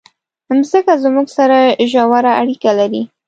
مځکه زموږ سره ژوره اړیکه لري.